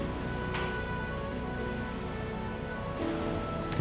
ya udah makasih infonya ya